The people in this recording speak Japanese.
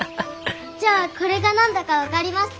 じゃあこれが何だか分かりますか？